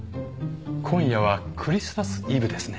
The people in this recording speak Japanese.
今夜はクリスマスイブですね。